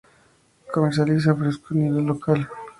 Se comercializa fresco a nivel local.